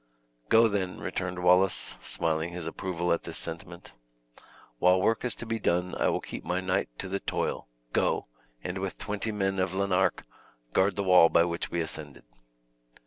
"Go, then," returned Wallace, smiling his approval of this sentiment, "while work is to be done I will keep my knight to the toil; go, and with twenty men of Lanark, guard the wall by which we ascended."